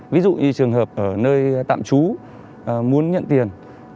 ví dụ như trường hợp ở nơi tạm trú muốn nhận tiền